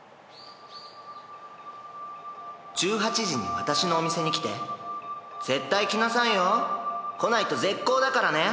「１８時に私のお店に来て」「絶対来なさいよ。来ないと絶交だからね」